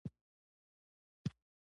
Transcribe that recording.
هغه ته د نومبر پر یوویشتمه ورسېد.